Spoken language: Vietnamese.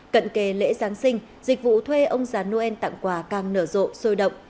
cận kề lễ giáng sinh dịch vụ thuê ông già noel tặng quà càng nở rộ sôi động